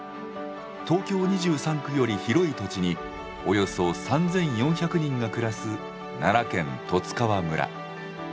東京２３区より広い土地におよそ３，４００人が暮らす奈良県十津川村。